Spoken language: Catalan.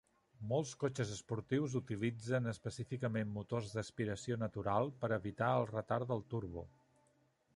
Molts cotxes esportius utilitzen específicament motors d'aspiració natural per evitar el retard del turbo.